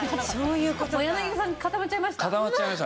柳葉さん固まっちゃいました。